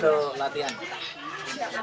bisa sendiri atau latihan